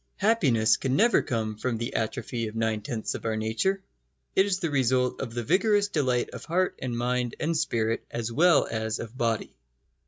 Happiness can never come from the atrophy of nine tenths of our nature. It is the result of the vigorous delight of heart and mind and spirit as well as of body.